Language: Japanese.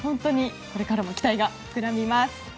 これからも期待が膨らみます。